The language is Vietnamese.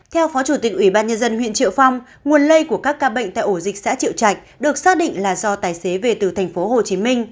theo phó chủ tịch ủy ban nhân dân huyện triệu phong nguồn lây của các ca bệnh tại ổ dịch xã triệu trạch được xác định là do tài xế về từ tp hcm